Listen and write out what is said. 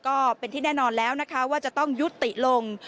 ก็เป็นที่แน่นอนแล้วนะคะว่าจะต้องยุติลง